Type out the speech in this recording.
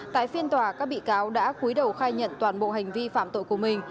tại phiên tòa các bị cáo đã cuối đầu khai nhận toàn bộ hành vi phạm tội của mình